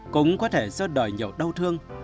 cũng có thể do đời nhiều đau thương